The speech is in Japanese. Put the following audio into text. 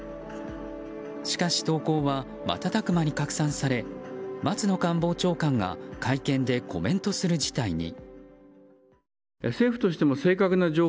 しかし、投稿は瞬く間に拡散され松野官房長官が会見でコメントする事態に。